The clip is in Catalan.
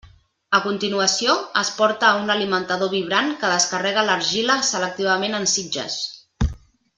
A continuació, es porta a un alimentador vibrant que descarrega l'argila selectivament en sitges.